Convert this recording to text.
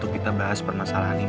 aku mau pergi sama neng